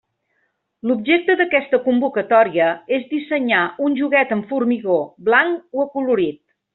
L'objecte d'aquesta convocatòria és dissenyar un joguet en formigó blanc o acolorit.